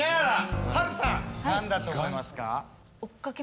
波瑠さん何だと思いますか？